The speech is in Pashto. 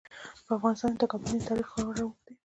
په افغانستان کې د کابل سیند تاریخ خورا اوږد دی.